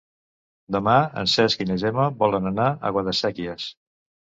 Demà en Cesc i na Gemma volen anar a Guadasséquies.